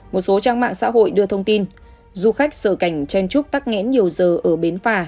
một số trang mạng xã hội đưa thông tin du khách sợ cảnh chen trúc tắc nghẽn nhiều giờ ở bến phà